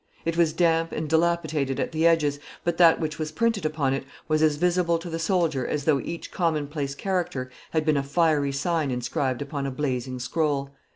It was damp and dilapidated at the edges; but that which was printed upon it was as visible to the soldier as though each commonplace character had been a fiery sign inscribed upon a blazing scroll.